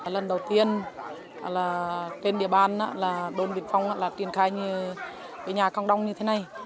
lần đầu tiên trên địa bàn đồn biên phòng là triển khai nhà cộng đồng như thế này